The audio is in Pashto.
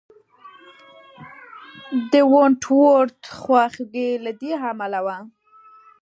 د ونټ ورت خواخوږي له دې امله وه.